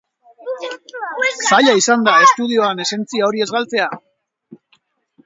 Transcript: Zaila izan da estudioan esentzia hori ez galtzea?